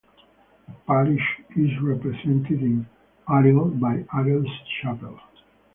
The parish is represented in Arild by Arilds Chapel.